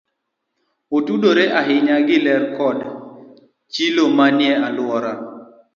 Otudore ahinya gi ler koda chilo manie alwora.